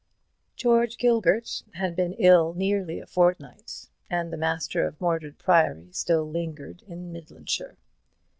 George Gilbert had been ill nearly a fortnight, and the master of Mordred Priory still lingered in Midlandshire.